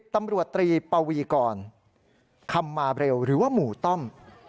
ตำรวจตรีปวีกรคำมาเร็วหรือว่าหมู่ต้อม